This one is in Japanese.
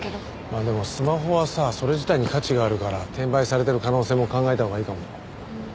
まあでもスマホはさそれ自体に価値があるから転売されてる可能性も考えたほうがいいかも。